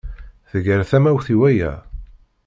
Tger tamawt i waya.